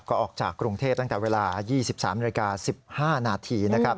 ก็ออกจากกรุงเทพตั้งแต่เวลา๒๓นาฬิกา๑๕นาทีนะครับ